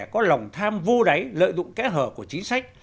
có lòng tham vô đáy lợi dụng kẽ hở của chính sách